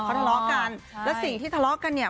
เขาทะเลาะกันแล้วสิ่งที่ทะเลาะกันเนี่ย